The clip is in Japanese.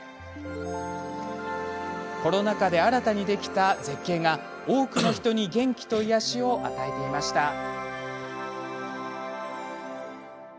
コロナ禍で新たにできた絶景が多くの人に元気と癒やしを与えていました。